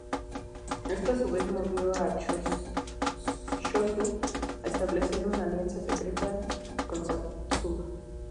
Esto, a su vez, movió a Chōshū a establecer una alianza secreta con Satsuma.